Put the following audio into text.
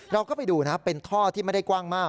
เราก็ไปดูนะเป็นท่อที่ไม่ได้กว้างมาก